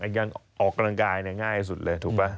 ออกกำลังกายเนี่ยง่ายสุดเลยถูกป้ะ